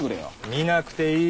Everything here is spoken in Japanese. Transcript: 見なくていい。